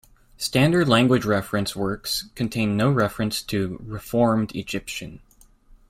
Standard language reference works contain no reference to "reformed Egyptian".